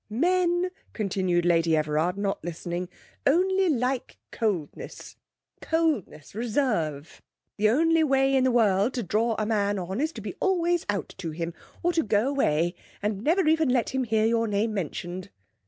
'Men,' continued Lady Everard, not listening, 'only like coldness; coldness, reserve. The only way in the world to draw a man on is to be always out to him, or to go away, and never even let him hear your name mentioned.'